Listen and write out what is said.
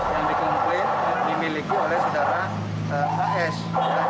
yang dikomplain dimiliki oleh saudara as